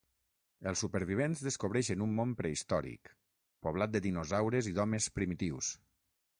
Els supervivents descobreixen un món prehistòric, poblat de dinosaures i d'homes primitius.